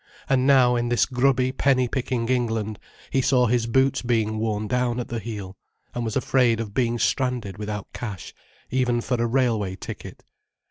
And now, in this grubby penny picking England, he saw his boots being worn down at the heel, and was afraid of being stranded without cash even for a railway ticket.